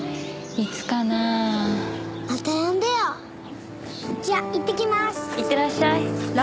いってらっしゃい。